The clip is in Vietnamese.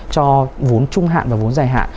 cho vốn trung hạn và vốn dài hạn